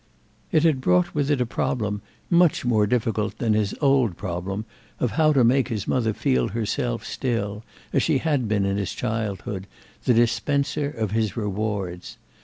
It had brought with it a problem much more difficult than his old problem of how to make his mother feel herself still, as she had been in his childhood, the dispenser of his rewards.